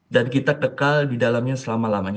dan kita kekal di dalamnya selama lamanya